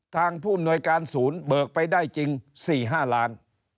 ผู้อำนวยการศูนย์เบิกไปได้จริง๔๕ล้าน